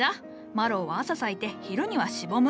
マロウは朝咲いて昼にはしぼむ。